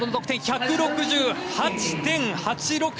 １６８．８６。